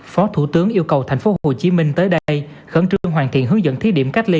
phó thủ tướng yêu cầu thành phố hồ chí minh tới đây khẩn trương hoàn thiện hướng dẫn thiết điểm cách ly